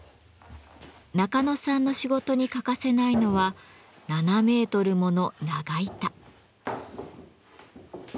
中野さんの仕事に欠かせないのは７メートルもの長板。